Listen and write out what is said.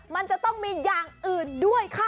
มันจะต้องมีอย่างอื่นด้วยค่ะ